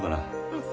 うん。